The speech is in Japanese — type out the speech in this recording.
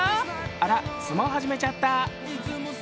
あら、相撲始めちゃった。